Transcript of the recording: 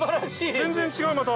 全然違うまた。